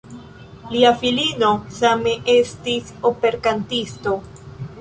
Lia filino same estis operkantisto.